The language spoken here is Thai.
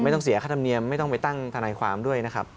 ต้องเสียค่าธรรมเนียมไม่ต้องไปตั้งทนายความด้วยนะครับ